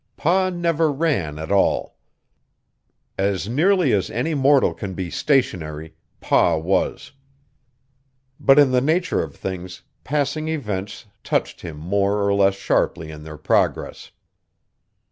Pa never ran at all. As nearly as any mortal can be stationary, Pa was; but in the nature of things, passing events touched him more or less sharply in their progress.